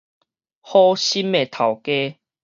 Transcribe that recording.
好心的頭家！